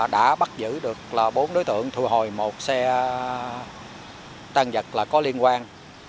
đã bắt giữ được bốn đối tượng thu hồi một xe tăng vật có liên quan